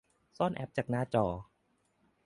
ซ่อนแอปจากหน้าจอ